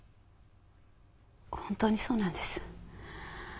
本当にそうなんです。